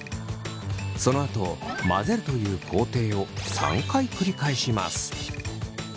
そのあと混ぜるという工程を３回繰り返します。